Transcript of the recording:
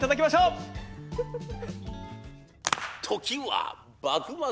時は幕末！